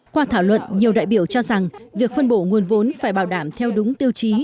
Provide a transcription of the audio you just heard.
qua thảo luận nhiều đại biểu cho rằng việc phân bổ nguồn vốn phải bảo đảm theo đúng tiêu chí